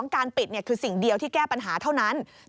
การปิดคือสิ่งเดียวที่แก้ปัญหาเท่านั้น